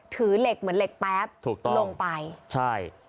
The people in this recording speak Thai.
ถือเหล็กเหมือนเหล็กแป๊บถูกต้องลงไปใช่